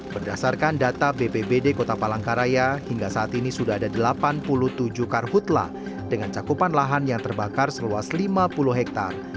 berdasarkan data bpbd kota palangkaraya hingga saat ini sudah ada delapan puluh tujuh karhutlah dengan cakupan lahan yang terbakar seluas lima puluh hektare